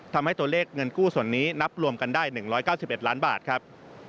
ทำให้ตัวเลขเงินกู้ส่วนนี้นับรวมกันได้๑๙๑ล้านบาทครับ